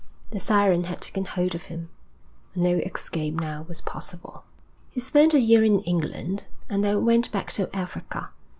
The siren had taken hold of him, and no escape now was possible. He spent a year in England, and then went back to Africa.